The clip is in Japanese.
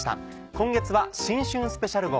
今月は新春スペシャル号。